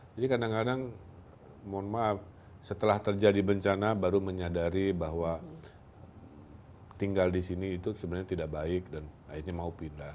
jadi kadang kadang mohon maaf setelah terjadi bencana baru menyadari bahwa tinggal di sini itu sebenarnya tidak baik dan akhirnya mau pindah